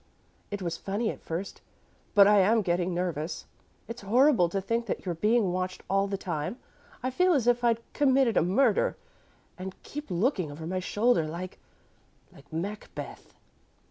It was funny at first, but I am getting nervous. It's horrible to think that you're being watched all the time. I feel as if I'd committed a murder, and keep looking over my shoulder like like Macbeth."